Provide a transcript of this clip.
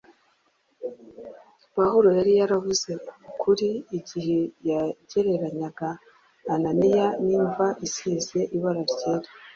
Pawulo yari yaravuze ukuri igihe yagereranyaga Ananiya n’imva isize ibara ryera.